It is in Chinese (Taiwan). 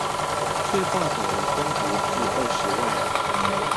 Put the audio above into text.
卻報導了崩跌至二十萬